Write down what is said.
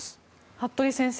服部先生